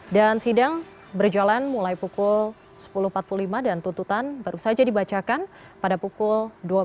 dan sidang berjalan mulai pukul sepuluh empat puluh lima dan tuntutan baru saja dibacakan pada pukul dua belas empat puluh